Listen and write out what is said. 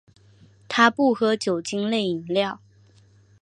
他不喝酒精类饮料。